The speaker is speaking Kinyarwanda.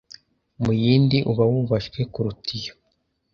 mu yindi uba wubashywe kuruta iyo